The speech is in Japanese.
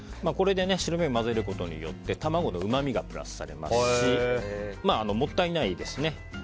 白身を混ぜることによって卵のうまみがプラスされますしもったいないですね。